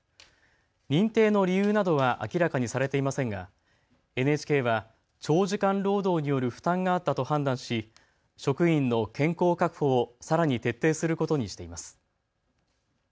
認定の理由などは明らかにされていませんがＮＨＫは長時間労働による負担があったと判断し職員の健康確保をさらに徹底することにしています。